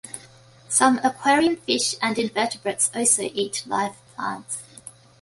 Some aquarium fish and invertebrates also eat live plants.